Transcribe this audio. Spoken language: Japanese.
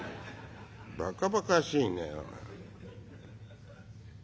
「ばかばかしいね」。